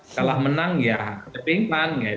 kalah menang ya tapi ingin banget